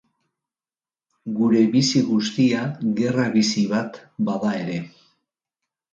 Gure bizi guztia gerra bizi bat bada ere.